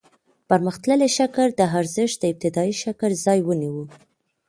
پرمختللي شکل د ارزښت د ابتدايي شکل ځای ونیو